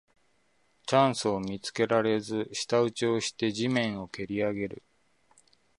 チャンスを見つけられず舌打ちをして地面をけりあげる